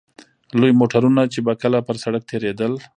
لوی موټرونه چې به کله پر سړک تېرېدل.